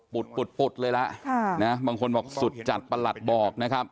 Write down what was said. ปุดเลยละบางคนบอกสุดจัดประหลัดบอกนะครับ